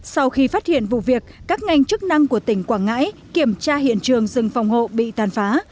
sau khi phát hiện vụ việc các ngành chức năng của tỉnh quảng ngãi kiểm tra hiện trường rừng phòng hộ bị tàn phá